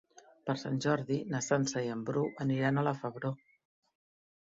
Per Sant Jordi na Sança i en Bru aniran a la Febró.